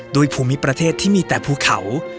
ภูมิประเทศที่มีแต่ภูเขา